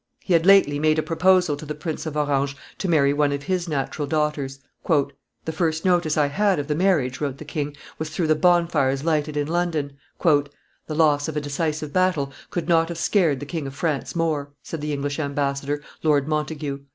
He had lately made a proposal to the Prince of Orange to marry one of his natural daughters. "The first notice I had of the marriage," wrote the king, "was through the bonfires lighted in London." "The loss of a decisive battle could not have scared the King of France more," said the English ambassador, Lord Montagu.